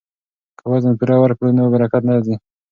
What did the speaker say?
که وزن پوره ورکړو نو برکت نه ځي.